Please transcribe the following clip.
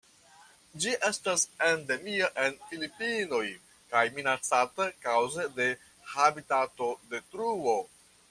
Ĝi estas endemia en Filipinoj kaj minacata kaŭze de habitatodetruo.